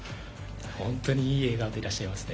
本当にいい笑顔でいらっしゃいますね。